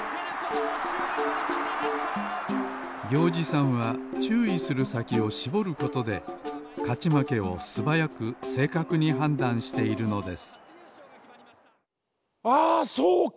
ぎょうじさんはちゅういするさきをしぼることでかちまけをすばやくせいかくにはんだんしているのですああそうか！